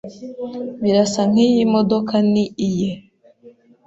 Birasa nkiyi modoka ni iye.